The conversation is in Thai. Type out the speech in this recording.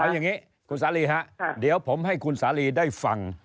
เอาอย่างนี้คุณสาลีฮะเดี๋ยวผมให้คุณสาลีได้ฟัง